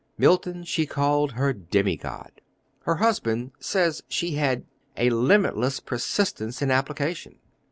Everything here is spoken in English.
Milton she called her demigod. Her husband says she had "a limitless persistency in application."